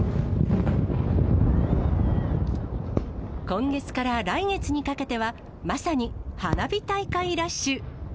今月から来月にかけては、まさに花火大会ラッシュ。